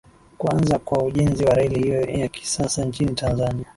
Kuanza kwa ujenzi wa reli hiyo ya kisasa nchini Tanzania